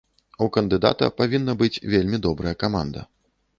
У кандыдата павінна быць вельмі добрая каманда.